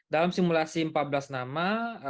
dalam simulasi empat belas nama